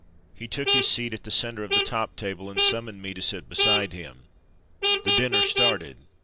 He took his seat at the centre of the top table and summoned me to sit beside him. The dinner started.